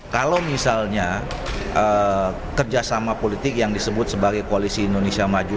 kalau misalnya kerjasama politik yang disebut sebagai koalisi indonesia maju